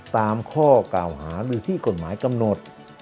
ตามข้อกล่าวหาหรือที่กฎหมายกำหนด